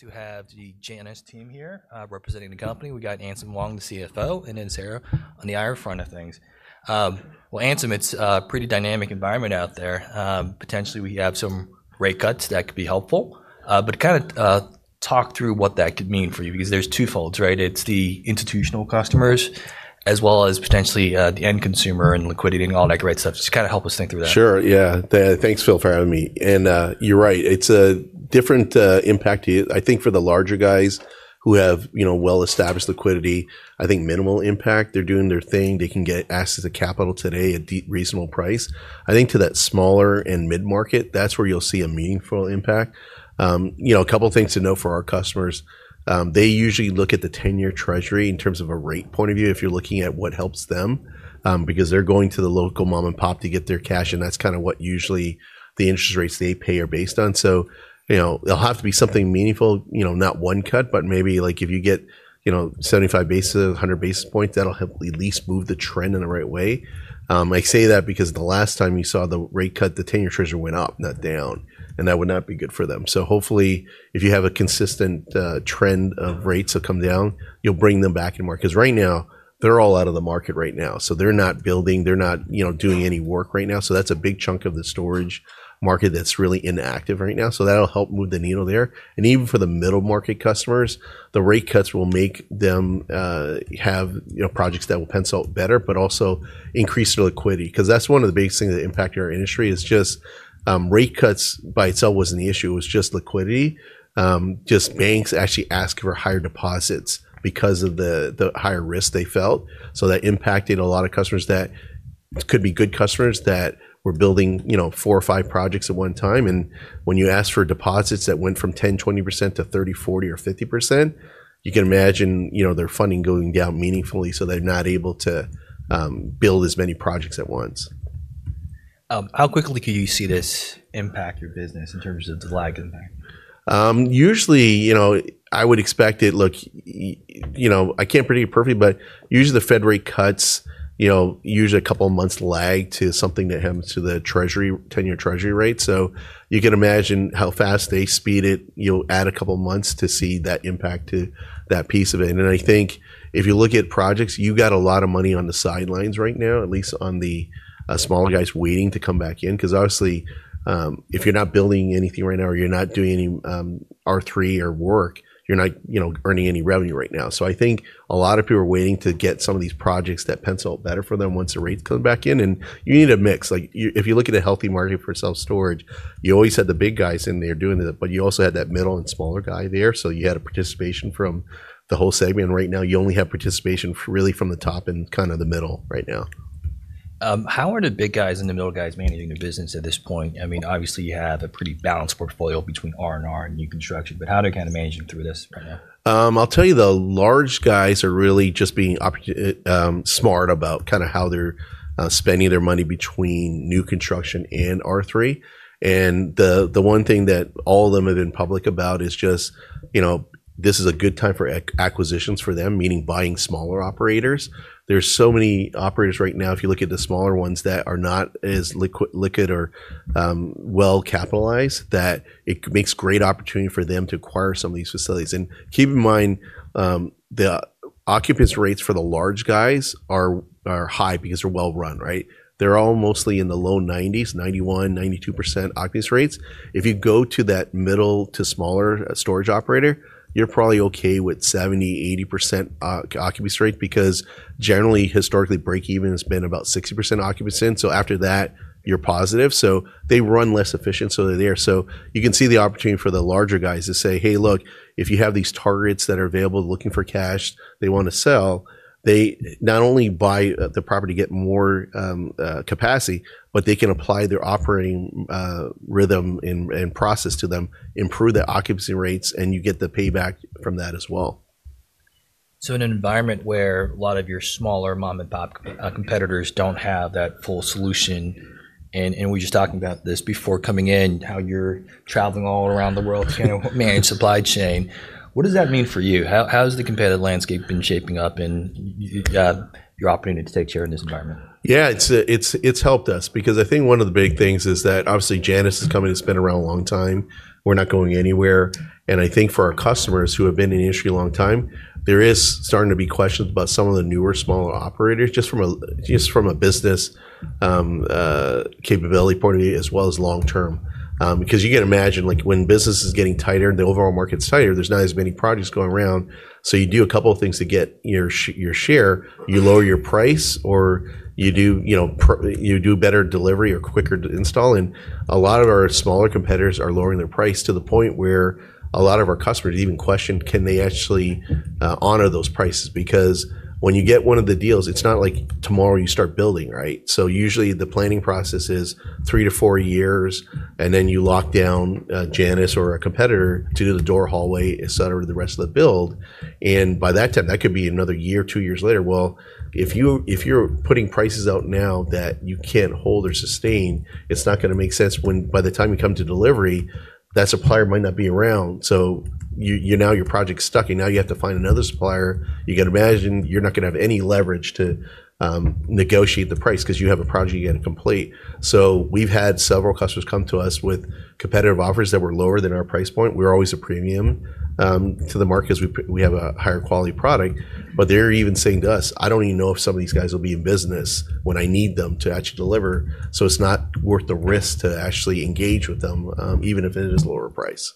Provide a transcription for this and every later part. To have the Janus team here, representing the company. We got Anselm Wong, the CFO, and then Sarah on the IR front of things. Well, Anselm, it's a pretty dynamic environment out there, potentially we have some rate cuts that could be helpful, but kind of, talk through what that could mean for you because there's two folds, right? It's the institutional customers as well as potentially, the end consumer and liquidity and all that great stuff. Just kind of help us think through that. Sure. Yeah. Thanks, Phil, for having me. And, you're right. It's a different impact here. I think for the larger guys who have, you know, well-established liquidity, I think minimal impact. They're doing their thing. They can get access to capital today at a deep, reasonable price. I think for that smaller and mid-market, that's where you'll see a meaningful impact. You know, a couple of things to note for our customers. They usually look at the 10-year Treasury in terms of a rate point of view if you're looking at what helps them, because they're going to the local mom and pop to get their cash. And that's kind of what usually the interest rates they pay are based on. So, you know, it'll have to be something meaningful, you know, not one cut, but maybe like if you get, you know, 75 basis points, 100 basis points, that'll help at least move the trend in the right way. I say that because the last time you saw the rate cut, the 10-year Treasury went up, not down, and that would not be good for them. So hopefully if you have a consistent trend of rates that come down, you'll bring them back in the market because right now they're all out of the market right now. So they're not building, they're not, you know, doing any work right now. So that's a big chunk of the storage market that's really inactive right now. So that'll help move the needle there. And even for the middle market customers, the rate cuts will make them have, you know, projects that will pencil better, but also increase their liquidity because that's one of the biggest things that impacted our industry. It's just rate cuts by itself wasn't the issue. It was just liquidity. Just banks actually asked for higher deposits because of the higher risk they felt. So that impacted a lot of customers that could be good customers that were building, you know, four or five projects at one time. And when you ask for deposits that went from 10%, 20% to 30%, 40%, or 50%, you can imagine, you know, their funding going down meaningfully. So they're not able to build as many projects at once. How quickly could you see this impact your business in terms of the lag impact? Usually, you know, I would expect it. Look, you know, I can't predict it perfectly, but usually the Fed rate cuts, you know, usually a couple of months lag to something that happens to the Treasury, 10-year Treasury rate. So you can imagine how fast they speed it. You'll add a couple of months to see that impact to that piece of it. And I think if you look at projects, you've got a lot of money on the sidelines right now, at least on the smaller guys waiting to come back in. Because obviously, if you're not building anything right now or you're not doing any R3 or work, you're not, you know, earning any revenue right now. So I think a lot of people are waiting to get some of these projects that pencil better for them once the rates come back in. And you need a mix. Like if you look at a healthy market for self-storage, you always had the big guys in there doing it, but you also had that middle and smaller guy there. So you had a participation from the whole segment. Right now you only have participation really from the top and kind of the middle right now. How are the big guys and the middle guys managing the business at this point? I mean, obviously you have a pretty balanced portfolio between R&R and new construction, but how are they kind of managing through this right now? I'll tell you the large guys are really just being opportunistically smart about kind of how they're spending their money between new construction and R3. And the one thing that all of them have been public about is just, you know, this is a good time for acquisitions for them, meaning buying smaller operators. There's so many operators right now, if you look at the smaller ones that are not as liquid or well capitalized that it makes great opportunity for them to acquire some of these facilities. And keep in mind, the occupancy rates for the large guys are high because they're well run, right? They're all mostly in the low 90s, 91, 92% occupancy rates. If you go to that middle to smaller storage operator, you're probably okay with 70%-80% occupancy rate because generally historically breakeven has been about 60% occupancy in. So after that, you're positive. So they run less efficient, so they're there. So you can see the opportunity for the larger guys to say, hey, look, if you have these targets that are available looking for cash, they want to sell. They not only buy the property, get more capacity, but they can apply their operating rhythm and process to them, improve the occupancy rates, and you get the payback from that as well. So in an environment where a lot of your smaller mom and pop competitors don't have that full solution, and we were just talking about this before coming in, how you're traveling all around the world to kind of manage supply chain, what does that mean for you? How has the competitive landscape been shaping up and your opportunity to take share in this environment? Yeah, it's helped us because I think one of the big things is that obviously Janus is committed to being around for a long time. We're not going anywhere, and I think for our customers who have been in the industry a long time, there is starting to be questions about some of the newer smaller operators just from a business capability point of view as well as long term because you can imagine like when business is getting tighter and the overall market's tighter, there's not as many projects going around. So you do a couple of things to get your share, you lower your price or, you know, you do better delivery or quicker install. A lot of our smaller competitors are lowering their price to the point where a lot of our customers even question, can they actually honor those prices? Because when you get one of the deals, it's not like tomorrow you start building, right? Usually the planning process is three to four years and then you lock down Janus or a competitor to do the door, hallway, et cetera, the rest of the build. By that time, that could be another year, two years later. If you, if you're putting prices out now that you can't hold or sustain, it's not going to make sense when by the time you come to delivery, that supplier might not be around. So you know, your project's stuck and now you have to find another supplier. You can imagine you're not going to have any leverage to negotiate the price because you have a project you got to complete. So we've had several customers come to us with competitive offers that were lower than our price point. We're always a premium to the market because we have a higher quality product, but they're even saying to us, I don't even know if some of these guys will be in business when I need them to actually deliver. So it's not worth the risk to actually engage with them, even if it is lower price.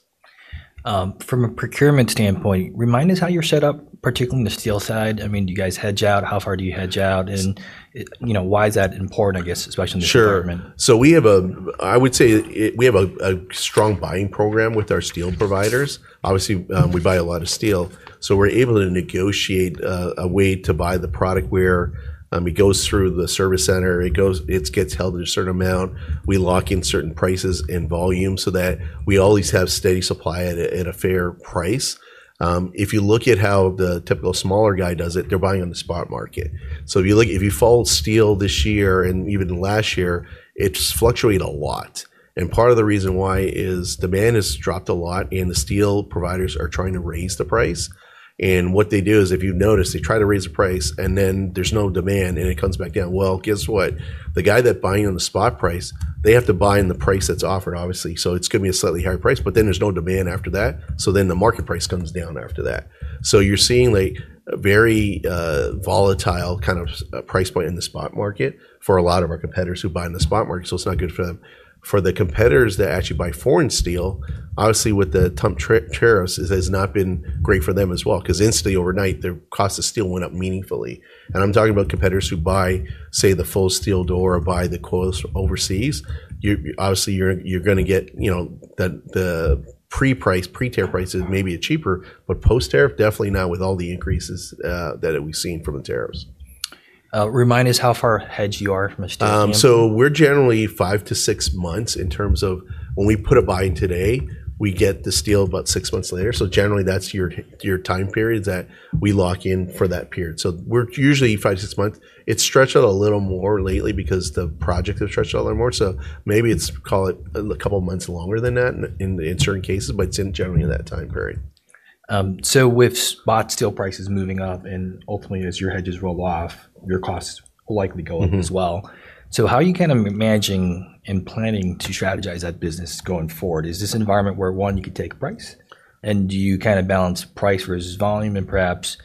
From a procurement standpoint, remind us how you're set up, particularly in the steel side. I mean, do you guys hedge out? How far do you hedge out? And, you know, why is that important, I guess, especially in the environment? Sure. So I would say we have a strong buying program with our steel providers. Obviously, we buy a lot of steel. So we're able to negotiate a way to buy the product where it goes through the service center, it gets held in a certain amount. We lock in certain prices and volume so that we always have steady supply at a fair price. If you look at how the typical smaller guy does it, they're buying on the spot market. So if you follow steel this year and even last year, it's fluctuated a lot. And part of the reason why is demand has dropped a lot and the steel providers are trying to raise the price. And what they do is, if you notice, they try to raise the price and then there's no demand and it comes back down. Well, guess what? The guy that's buying on the spot price, they have to buy in the price that's offered, obviously. So it's going to be a slightly higher price, but then there's no demand after that. So then the market price comes down after that. So you're seeing like a very volatile kind of price point in the spot market for a lot of our competitors who buy in the spot market. So it's not good for them. For the competitors that actually buy foreign steel, obviously with the Trump tariffs, it has not been great for them as well because instantly overnight, the cost of steel went up meaningfully. And I'm talking about competitors who buy, say, the full steel door or buy the coils overseas. You're obviously going to get, you know, the pre-tariff, pre-term prices may be cheaper, but post-term, definitely not with all the increases that we've seen from the tariffs. Remind us how far ahead you are from a steel producer. So we're generally five to six months in terms of when we put a buy-in today, we get the steel about six months later. So generally that's your time period that we lock in for that period. So we're usually five to six months. It's stretched out a little more lately because the projects have stretched out a little more. So maybe it's call it a couple of months longer than that in certain cases, but it's generally in that time period. So with spot steel prices moving up and ultimately as your hedges roll off, your costs will likely go up as well. So how are you kind of managing and planning to strategize that business going forward? Is this an environment where one, you can take price and do you kind of balance price versus volume and perhaps,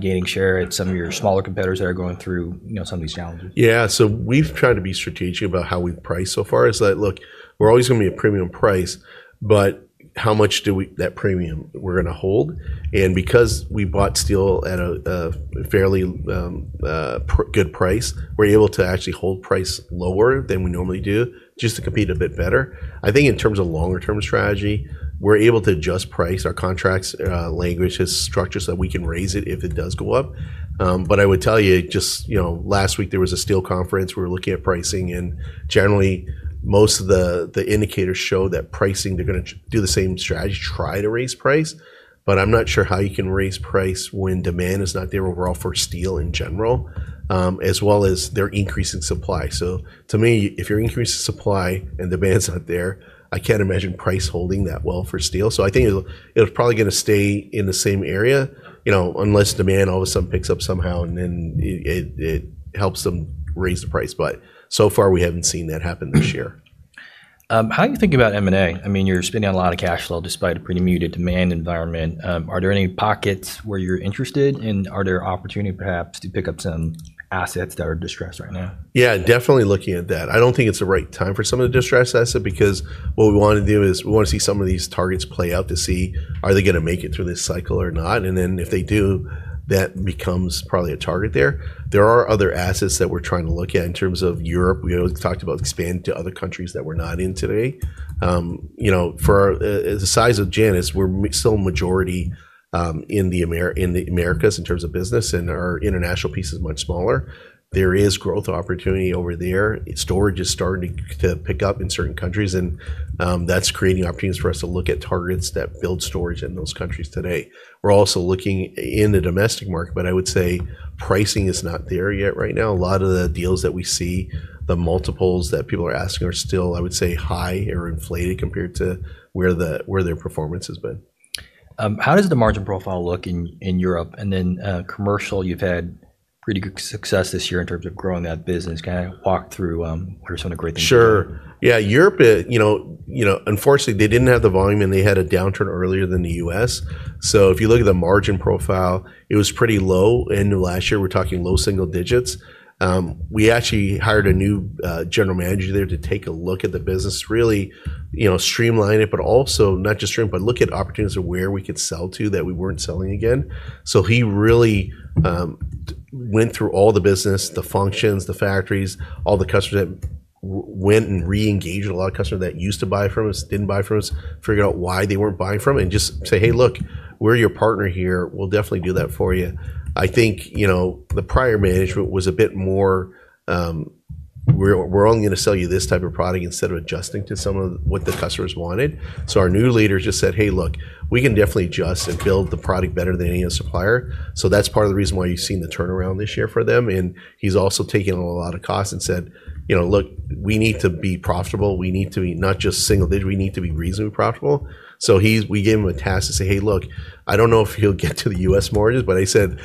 gaining share at some of your smaller competitors that are going through, you know, some of these challenges? Yeah. So we've tried to be strategic about how we've priced so far is that look, we're always going to be a premium price, but how much do we that premium we're going to hold? And because we bought steel at a fairly good price, we're able to actually hold price lower than we normally do just to compete a bit better. I think in terms of longer-term strategy, we're able to adjust price, our contracts, languages, structures that we can raise it if it does go up. But I would tell you just, you know, last week there was a steel conference. We were looking at pricing and generally most of the indicators show that pricing. They're going to do the same strategy, try to raise price, but I'm not sure how you can raise price when demand is not there overall for steel in general, as well as their increasing supply. So to me, if you're increasing supply and demand's not there, I can't imagine price holding that well for steel. So I think it'll probably going to stay in the same area, you know, unless demand all of a sudden picks up somehow and then it helps them raise the price. But so far we haven't seen that happen this year. How do you think about M&A? I mean, you're spending a lot of cash flow despite a pretty muted demand environment. Are there any pockets where you're interested and are there opportunities perhaps to pick up some assets that are distressed right now? Yeah, definitely looking at that. I don't think it's the right time for some of the distressed assets because what we want to do is we want to see some of these targets play out to see are they going to make it through this cycle or not? And then if they do, that becomes probably a target there. There are other assets that we're trying to look at in terms of Europe. We always talked about expanding to other countries that we're not in today. You know, for the size of Janus, we're still majority in the Americas, in the Americas in terms of business and our international piece is much smaller. There is growth opportunity over there. Storage is starting to pick up in certain countries and that's creating opportunities for us to look at targets that build storage in those countries today. We're also looking in the domestic market, but I would say pricing is not there yet right now. A lot of the deals that we see, the multiples that people are asking are still, I would say high or inflated compared to where their performance has been. How does the margin profile look in Europe? And then, commercial, you've had pretty good success this year in terms of growing that business. Can I walk through what are some of the great things? Sure. Yeah. Europe, you know, you know, unfortunately they didn't have the volume and they had a downturn earlier than the U.S. So if you look at the margin profile, it was pretty low. And last year we're talking low single digits. We actually hired a new general manager there to take a look at the business, really, you know, streamline it, but also not just streamline, but look at opportunities of where we could sell to that we weren't selling again. So he really went through all the business, the functions, the factories, all the customers that we went and re-engaged a lot of customers that used to buy from us, didn't buy from us, figured out why they weren't buying from us and just say, hey, look, we're your partner here. We'll definitely do that for you. I think, you know, the prior management was a bit more, we're only going to sell you this type of product instead of adjusting to some of what the customers wanted. So our new leader just said, hey, look, we can definitely adjust and build the product better than any other supplier. So that's part of the reason why you've seen the turnaround this year for them. And he's also taken on a lot of costs and said, you know, look, we need to be profitable. We need to be not just single digit, we need to be reasonably profitable. So he, we gave him a task to say, hey, look, I don't know if he'll get to the US margins, but I said,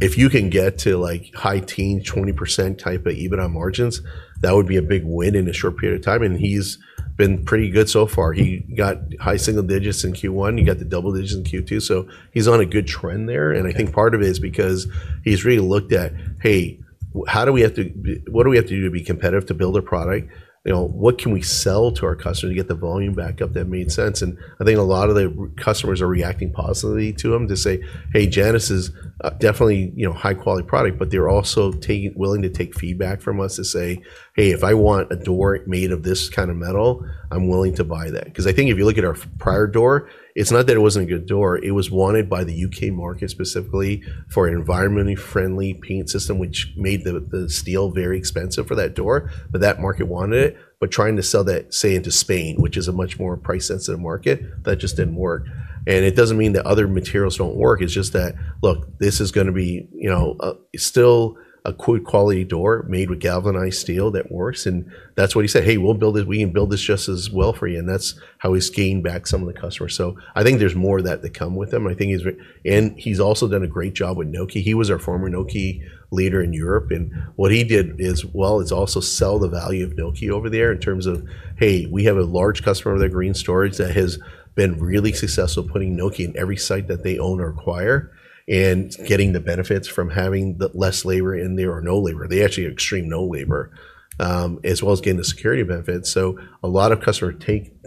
if you can get to like high teens, 20% type of EBITDA margins, that would be a big win in a short period of time. He's been pretty good so far. He got high single digits in Q1. He got the double digits in Q2. So he's on a good trend there. I think part of it is because he's really looked at, hey, how do we have to, what do we have to do to be competitive to build a product? You know, what can we sell to our customers to get the volume back up that made sense? I think a lot of the customers are reacting positively to him to say, hey, Janus is definitely, you know, high quality product, but they're also willing to take feedback from us to say, hey, if I want a door made of this kind of metal, I'm willing to buy that. Because I think if you look at our prior door, it's not that it wasn't a good door. It was wanted by the UK market specifically for an environmentally friendly paint system, which made the steel very expensive for that door, but that market wanted it. But trying to sell that, say, into Spain, which is a much more price-sensitive market, that just didn't work. And it doesn't mean that other materials don't work. It's just that, look, this is going to be, you know, still a good quality door made with galvanized steel that works. And that's what he said, hey, we'll build it. We can build this just as well for you. And that's how he's gained back some of the customers. So I think there's more of that to come with him. I think he's, and he's also done a great job with Noke. He was our former Noke leader in Europe. What he did is, well, it's also sell the value of Noke over there in terms of, hey, we have a large customer of the Green Storage that has been really successful putting Noke in every site that they own or acquire and getting the benefits from having less labor in there or no labor. They actually have extreme no labor, as well as getting the security benefits. So a lot of customers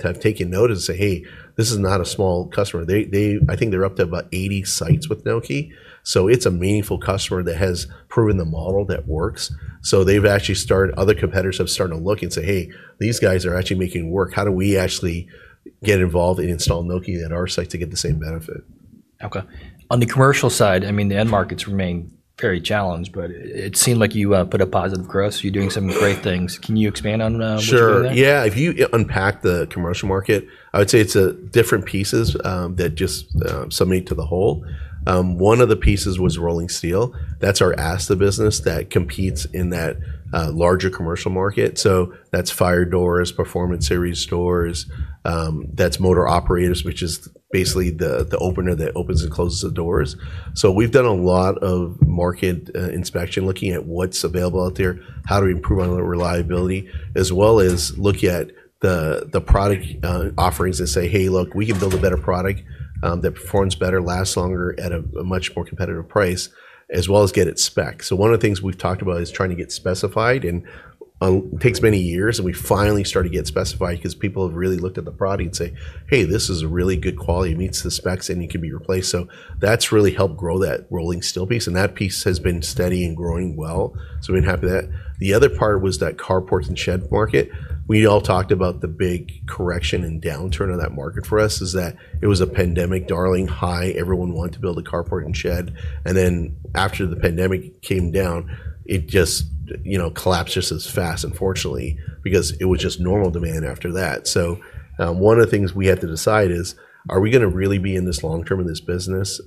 have taken notice and say, hey, this is not a small customer. They, I think they're up to about 80 sites with Noke. So it's a meaningful customer that has proven the model that works. So they've actually started. Other competitors have started to look and say, hey, these guys are actually making it work. How do we actually get involved and install Noke at our site to get the same benefit? Okay. On the commercial side, I mean, the end markets remain very challenged, but it seemed like you put a positive growth. You're doing some great things. Can you expand on what you're doing there? Sure. Yeah. If you unpack the commercial market, I would say it's different pieces that just contribute to the whole. One of the pieces was rolling steel. That's our asset business that competes in that larger commercial market. So that's fire doors, Performance Series doors, that's motor operators, which is basically the opener that opens and closes the doors. So we've done a lot of market inspection looking at what's available out there, how do we improve on reliability, as well as look at the product offerings and say, hey, look, we can build a better product that performs better, lasts longer at a much more competitive price, as well as get it specced. So, one of the things we've talked about is trying to get specified, and it takes many years, and we finally started to get specified because people have really looked at the product and say, "Hey, this is a really good quality. It meets the specs, and it can be replaced." That's really helped grow that rolling steel piece, and that piece has been steady and growing well. We've been happy with that. The other part was that carports and sheds market. We all talked about the big correction and downturn of that market. For us, it was a pandemic darling high. Everyone wanted to build a carport and shed. Then after the pandemic came down, it just, you know, collapsed just as fast, unfortunately, because it was just normal demand after that. So, one of the things we had to decide is, are we going to really be in this long term in this business?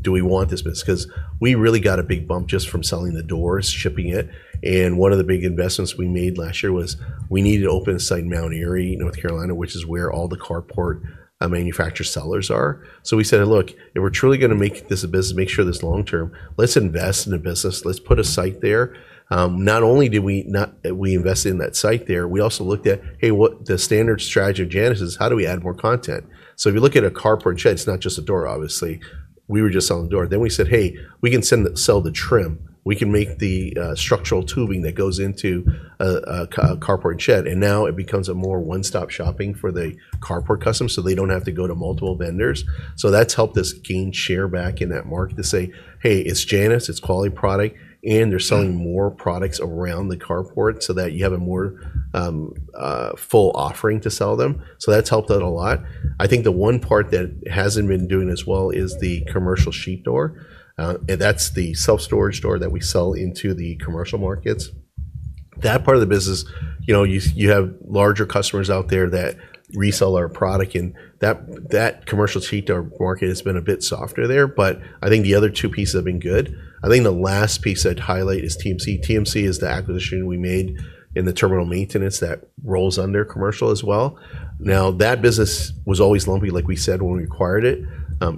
Do we want this business? Because we really got a big bump just from selling the doors, shipping it. And one of the big investments we made last year was we needed to open a site in Mount Airy, North Carolina, which is where all the carport manufacturer sellers are. So we said, look, if we're truly going to make this a business, make sure this is long term, let's invest in a business. Let's put a site there. Not only did we not, we invested in that site there, we also looked at, hey, what the standard strategy of Janus is, how do we add more content? So if you look at a carport and shed, it's not just a door, obviously. We were just selling a door. Then we said, hey, we can sell the trim. We can make structural tubing that goes into a carport and shed, and now it becomes a more one-stop shopping for the carport customers so they don't have to go to multiple vendors, so that's helped us gain share back in that market to say, hey, it's Janus, it's quality product, and they're selling more products around the carport so that you have a more full offering to sell them, so that's helped out a lot. I think the one part that hasn't been doing as well is the commercial sheet door, and that's the self-storage door that we sell into the commercial markets. That part of the business, you know, you have larger customers out there that resell our product and that commercial sheet door market has been a bit softer there, but I think the other two pieces have been good. I think the last piece I'd highlight is TMC. TMC is the acquisition we made in the terminal maintenance that rolls under commercial as well. Now that business was always lumpy, like we said when we acquired it,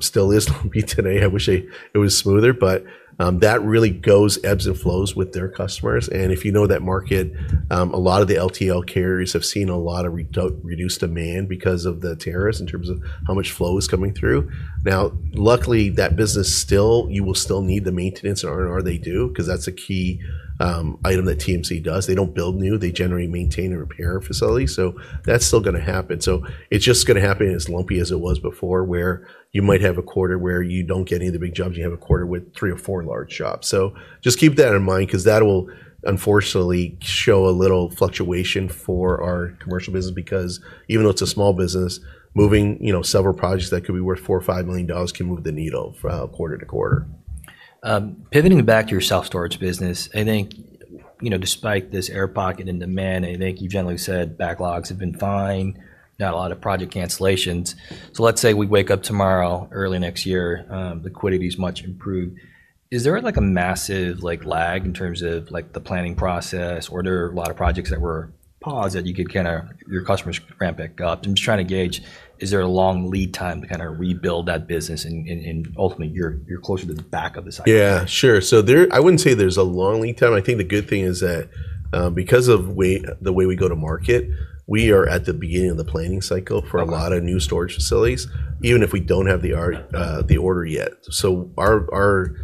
still is lumpy today. I wish it was smoother, but that really goes ebbs and flows with their customers, and if you know that market, a lot of the LTL carriers have seen a lot of reduced demand because of the tariffs in terms of how much flow is coming through. Now, luckily that business still, you will still need the maintenance and R&R they do, because that's a key item that TMC does. They don't build new, they generally maintain and repair facilities. So that's still going to happen. So it's just going to happen as lumpy as it was before, where you might have a quarter where you don't get any of the big jobs, you have a quarter with three or four large jobs. So just keep that in mind, because that will unfortunately show a little fluctuation for our commercial business, because even though it's a small business, moving, you know, several projects that could be worth $4 million or $5 million can move the needle from quarter to quarter. Pivoting back to your self-storage business, I think, you know, despite this air pocket in demand, I think you've generally said backlogs have been fine, not a lot of project cancellations. So let's say we wake up tomorrow, early next year, liquidity is much improved. Is there like a massive, like lag in terms of like the planning process, or there are a lot of projects that were paused that you could kind of, your customers ramp back up? I'm just trying to gauge, is there a long lead time to kind of rebuild that business and ultimately you're, you're closer to the back of the cycle? Yeah, sure. So there, I wouldn't say there's a long lead time. I think the good thing is that, because of the way we go to market, we are at the beginning of the planning cycle for a lot of new storage facilities, even if we don't have the art, the order yet. So our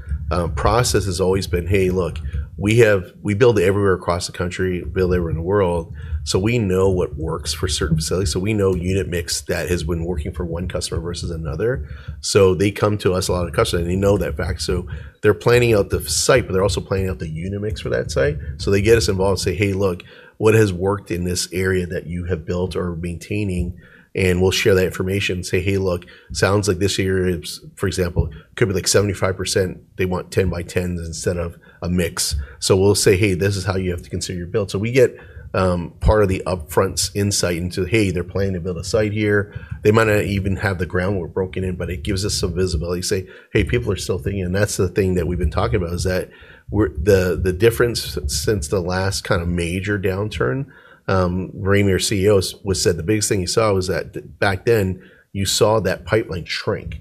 process has always been, hey, look, we build everywhere across the country, build everywhere in the world. So we know what works for certain facilities. So we know unit mix that has been working for one customer versus another. So they come to us, a lot of customers, and they know that fact. So they're planning out the site, but they're also planning out the unit mix for that site. So they get us involved and say, hey, look, what has worked in this area that you have built or maintaining? We'll share that information and say, hey, look, sounds like this year is, for example, could be like 75%. They want 10 by 10 instead of a mix. So we'll say, hey, this is how you have to consider your build. So we get part of the upfront insight into, hey, they're planning to build a site here. They might not even have the groundwork broken in, but it gives us some visibility. Say, hey, people are still thinking, and that's the thing that we've been talking about, is that we're the difference since the last kind of major downturn. Ramey, our CEO, said the biggest thing he saw was that back then you saw that pipeline shrink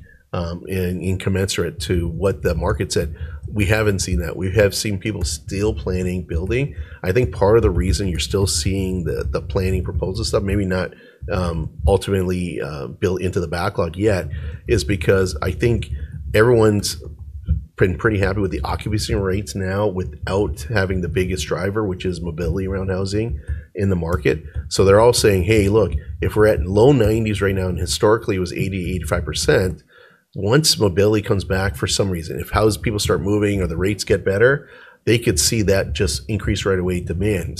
incommensurate to what the market said. We haven't seen that. We have seen people still planning, building. I think part of the reason you're still seeing the planning proposal stuff, maybe not ultimately built into the backlog yet, is because I think everyone's been pretty happy with the occupancy rates now without having the biggest driver, which is mobility around housing in the market. They're all saying, hey, look, if we're at low 90s right now, and historically it was 80%-85%, once mobility comes back for some reason, if housing people start moving or the rates get better, they could see that just increase right away demand.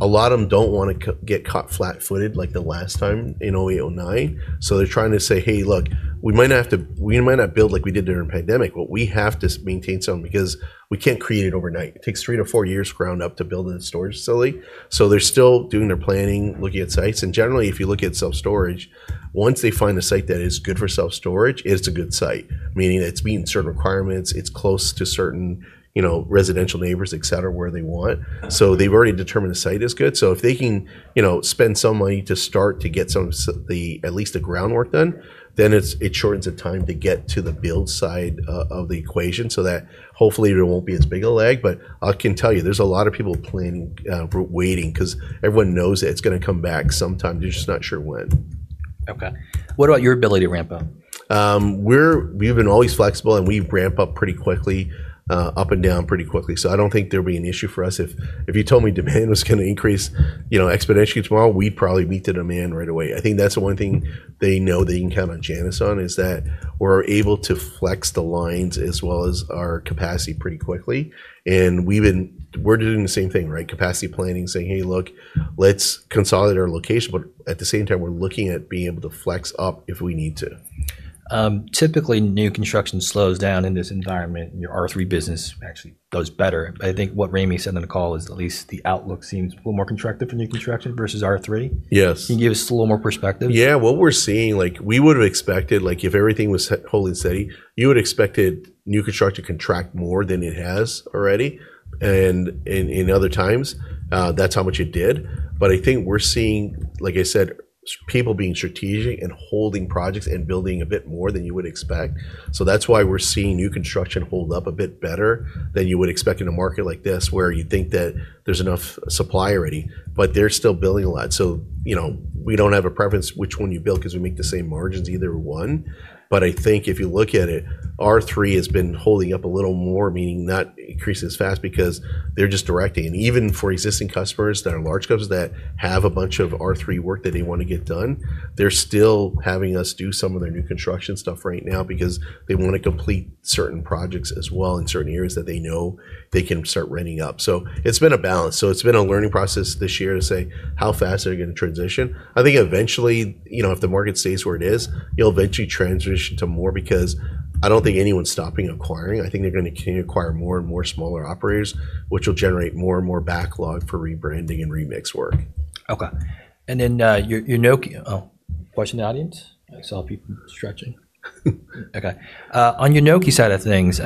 A lot of them don't want to get caught flat-footed like the last time in 2008, 2009. They're trying to say, hey, look, we might not have to, we might not build like we did during the pandemic, but we have to maintain some because we can't create it overnight. It takes three-to-four years from the ground up to build a storage facility. So they're still doing their planning, looking at sites. And generally, if you look at self-storage, once they find a site that is good for self-storage, it's a good site, meaning it's meeting certain requirements, it's close to certain, you know, residential neighbors, et cetera, where they want. So they've already determined the site is good. So if they can, you know, spend some money to start to get some of the, at least the groundwork done, then it's, it shortens the time to get to the build side of the equation so that hopefully it won't be as big of a lag. But I can tell you, there's a lot of people planning, waiting because everyone knows that it's going to come back sometime. They're just not sure when. Okay. What about your ability to ramp up? We've been always flexible and we ramp up pretty quickly, up and down pretty quickly. So I don't think there'll be an issue for us. If you told me demand was going to increase, you know, exponentially tomorrow, we'd probably meet the demand right away. I think that's the one thing they know they can count on Janus on is that we're able to flex the lines as well as our capacity pretty quickly. And we're doing the same thing, right? Capacity planning, saying, hey, look, let's consolidate our location, but at the same time, we're looking at being able to flex up if we need to. Typically new construction slows down in this environment. Your R3 business actually does better. But I think what Ramey said on the call is at least the outlook seems a little more constructive for new construction versus R3. Yes. Can you give us a little more perspective? Yeah, what we're seeing, like we would have expected, like if everything was holding steady, you would have expected new construction to contract more than it has already. And in other times, that's how much it did. But I think we're seeing, like I said, people being strategic and holding projects and building a bit more than you would expect. So that's why we're seeing new construction hold up a bit better than you would expect in a market like this where you think that there's enough supply already, but they're still building a lot. So, you know, we don't have a preference which one you build because we make the same margins either one. But I think if you look at it, R3 has been holding up a little more, meaning not increasing as fast because they're just directing. Even for existing customers that are large customers that have a bunch of R3 work that they want to get done, they're still having us do some of their new construction stuff right now because they want to complete certain projects as well in certain areas that they know they can start ramping up. It's been a balance. It's been a learning process this year to say how fast are they going to transition. I think eventually, you know, if the market stays where it is, you'll eventually transition to more because I don't think anyone's stopping acquiring. I think they're going to continue to acquire more and more smaller operators, which will generate more and more backlog for rebranding and remodel work. Okay. And then, your Noke. Oh, watching the audience. I saw people stretching. Okay. On your Noke side of things,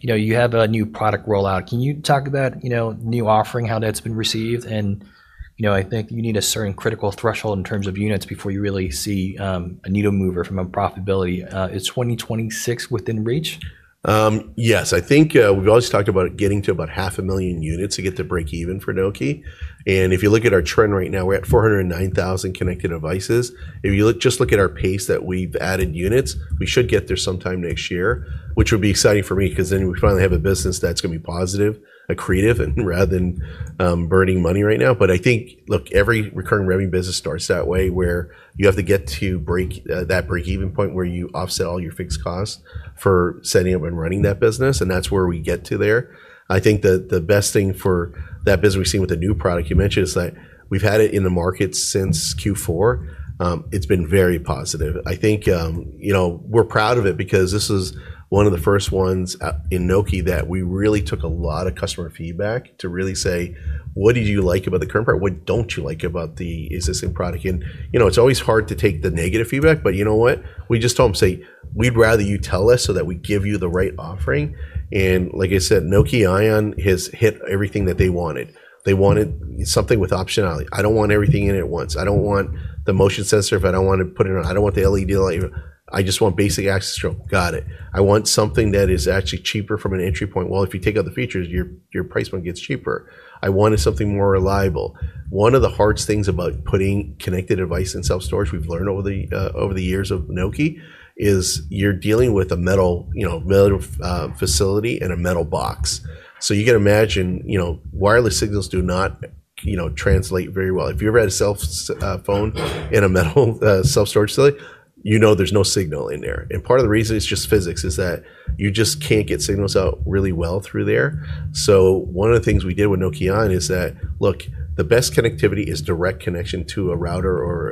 you know, you have a new product rollout. Can you talk about, you know, new offering, how that's been received? And, you know, I think you need a certain critical threshold in terms of units before you really see, a needle mover from a profitability. Is 2026 within reach? Yes. I think we've always talked about getting to about 500,000 units to get to breakeven for Noke. And if you look at our trend right now, we're at 409,000 connected devices. If you look, just look at our pace that we've added units, we should get there sometime next year, which would be exciting for me because then we finally have a business that's going to be positive, accretive, and rather than burning money right now. But I think, look, every recurring revenue business starts that way where you have to get to that breakeven point where you offset all your fixed costs for setting up and running that business. And that's where we get to there. I think that the best thing for that business we've seen with the new product you mentioned is that we've had it in the market since Q4. It's been very positive. I think, you know, we're proud of it because this is one of the first ones in Noke that we really took a lot of customer feedback to really say, what did you like about the current product? What don't you like about the existing product? And, you know, it's always hard to take the negative feedback, but you know what? We just told them, say, we'd rather you tell us so that we give you the right offering. And like I said, Noke Ion has hit everything that they wanted. They wanted something with optionality. I don't want everything in it at once. I don't want the motion sensor. I don't want to put it on. I don't want the LED light. I just want basic access control. Got it. I want something that is actually cheaper from an entry point. If you take out the features, your price point gets cheaper. I wanted something more reliable. One of the hardest things about putting connected devices in self-storage, we've learned over the years of Noke, is you're dealing with a metal, you know, metal facility and a metal box. So you can imagine, you know, wireless signals do not, you know, translate very well. If you ever had a cell phone in a metal self-storage facility, you know, there's no signal in there. And part of the reason is just physics is that you just can't get signals out really well through there. So one of the things we did with Noke Ion is that, look, the best connectivity is direct connection to a router or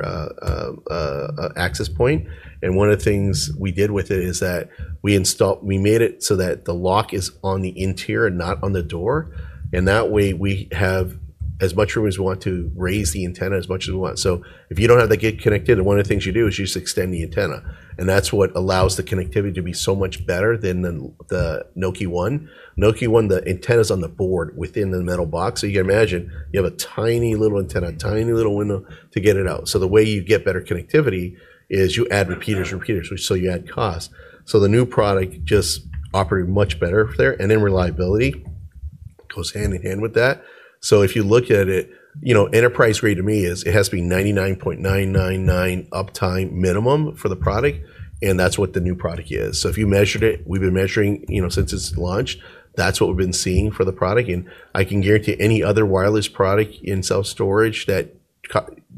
an access point. And one of the things we did with it is that we installed. We made it so that the lock is on the interior and not on the door. And that way we have as much room as we want to raise the antenna as much as we want. So if you don't have that, to get connected, one of the things you do is you just extend the antenna. And that's what allows the connectivity to be so much better than the Noke One. Noke One, the antenna is on the board within the metal box. So you can imagine you have a tiny little antenna, tiny little window to get it out. So the way you get better connectivity is you add repeaters, repeaters, which, so you add costs. So the new product just operated much better there. And then reliability goes hand in hand with that. So if you look at it, you know, enterprise rate to me is it has to be 99.999% uptime minimum for the product. And that's what the new product is. If you measured it, we've been measuring, you know, since it's launched, that's what we've been seeing for the product. And I can guarantee any other wireless product in self-storage that,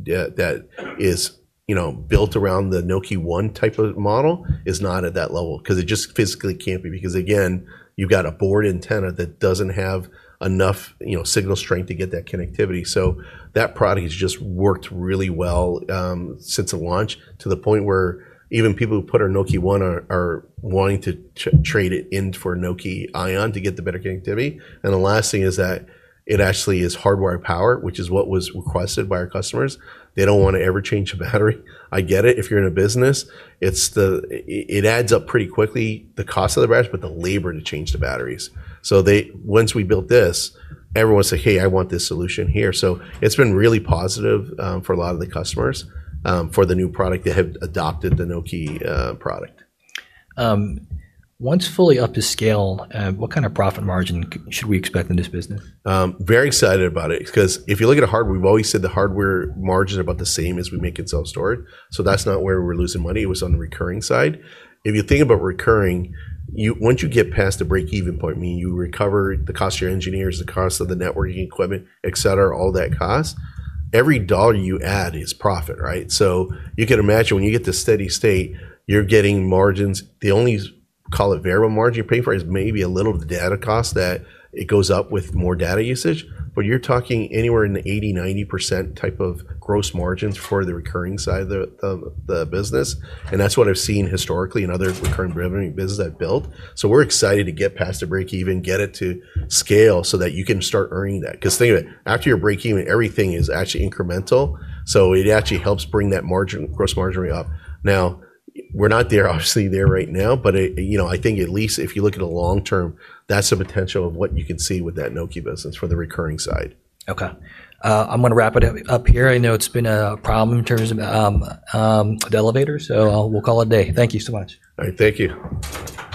that is, you know, built around the Noke One type of model is not at that level because it just physically can't be because again, you've got a board antenna that doesn't have enough, you know, signal strength to get that connectivity. So that product has just worked really well, since the launch to the point where even people who put our Noke One are wanting to trade it in for Noke Ion to get the better connectivity. The last thing is that it actually is hardwired power, which is what was requested by our customers. They don't want to ever change the battery. I get it. If you're in a business, it adds up pretty quickly, the cost of the batteries, but the labor to change the batteries. They, once we built this, everyone said, hey, I want this solution here. It's been really positive, for a lot of the customers, for the new product that have adopted the Noke product. Once fully up to scale, what kind of profit margin should we expect in this business? Very excited about it because if you look at hardware, we've always said the hardware margin is about the same as we make in self-storage. So that's not where we're losing money. It was on the recurring side. If you think about recurring, you once you get past the break-even point, meaning you recover the cost of your engineers, the cost of the networking equipment, et cetera, all that cost, every dollar you add is profit, right? So you can imagine when you get to steady state, you're getting margins. The only, call it variable margin you're paying for is maybe a little of the data cost that it goes up with more data usage, but you're talking anywhere in the 80%-90% type of gross margins for the recurring side of the business. And that's what I've seen historically in other recurring revenue businesses I've built. So we're excited to get past the break-even, get it to scale so that you can start earning that. Because think of it, after your break-even, everything is actually incremental. So it actually helps bring that margin, gross margin rate up. Now, we're not there, obviously there right now, but it, you know, I think at least if you look at a long term, that's the potential of what you can see with that Noke business for the recurring side. Okay. I'm going to wrap it up here. I know it's been a problem in terms of, the elevator, so we'll call it a day. Thank you so much. All right. Thank you.